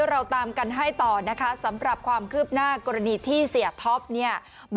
เราตามกันให้ต่อนะคะสำหรับความคืบหน้ากรณีที่เสียท็อปเนี่ย